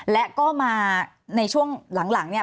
และก็มาในช่วงหลังเนี่ย